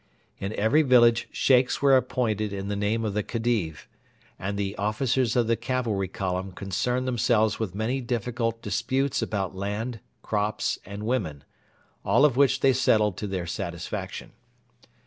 In every village Sheikhs were appointed in the name of the Khedive, and the officers of the cavalry column concerned themselves with many difficult disputes about land, crops, and women all of which they settled to their satisfaction.